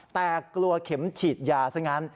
แต่กลัวเข็มฉีดยาซะงั้น